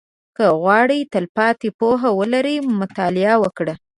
• که غواړې تلپاتې پوهه ولرې، مطالعه وکړه.